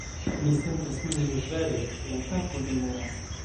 Mi sentas min vere, la kapo doloras